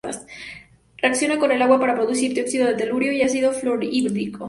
Reacciona con el agua para producir dióxido de telurio y ácido fluorhídrico.